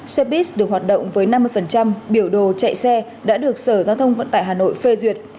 xe buýt được hoạt động với năm mươi biểu đồ chạy xe đã được sở giao thông vận tải hà nội phê duyệt